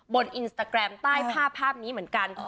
อินสตาแกรมใต้ภาพภาพนี้เหมือนกัน